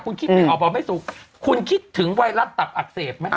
คุณคิดไม่ออกบอกไม่สูงคุณคิดถึงไวรัสตับอักเสบไหม